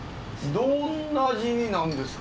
どんな味になるんですか？